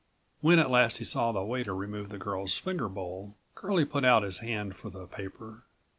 When at last he saw the waiter remove the girl's finger bowl, Curlie put out his hand for the paper.